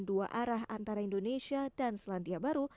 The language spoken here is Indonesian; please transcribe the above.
dua arah antara indonesia dan selandia baru